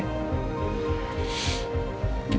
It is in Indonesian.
saya tidak tahu